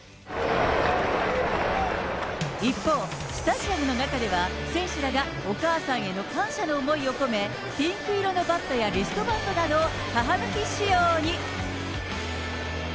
一方、スタジアムの中では、選手らがお母さんへの感謝の思いを込め、ピンク色のバットやリストバンドなどを母の日仕様に。